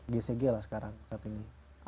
gcg lah sekarang saat ini